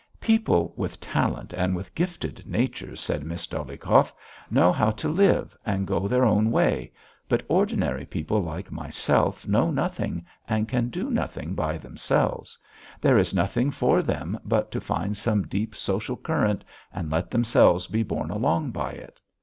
"People with talent and with gifted natures," said Miss Dolyhikov, "know how to live and go their own way; but ordinary people like myself know nothing and can do nothing by themselves; there is nothing for them but to find some deep social current and let themselves be borne along by it."